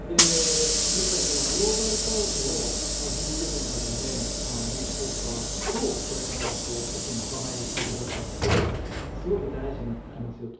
やっぱりグローバルサウスをＧ７はじめ民主国家はどうこれからこっちに仲間入りしていただくかということがすごく大事になってきますよと。